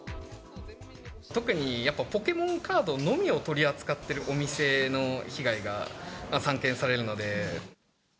特にやっぱポケモンカードのみを取り扱ってるお店の被害が散見されるので。